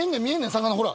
魚ほら。